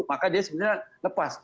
maka dia sebenarnya lepas